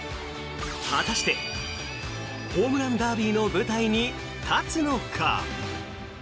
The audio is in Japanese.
果たしてホームランダービーの舞台に立つのか。